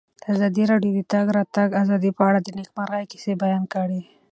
ازادي راډیو د د تګ راتګ ازادي په اړه د نېکمرغۍ کیسې بیان کړې.